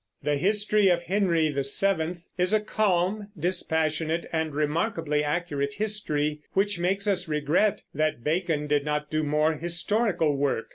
The History of Henry VII is a calm, dispassionate, and remarkably accurate history, which makes us regret that Bacon did not do more historical work.